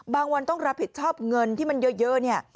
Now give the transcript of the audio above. บางวันต้องรับผิดชอบเงินที่มันเยอะ